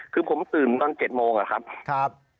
คือผมตื่นตอน๗โมงอะครับ